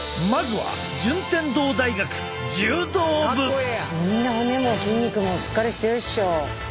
みんな骨も筋肉もしっかりしてるっしょ。